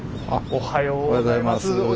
おはようございます。